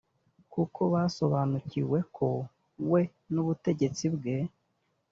kuko basobanukiwe ko we n’ubutegetsi bwe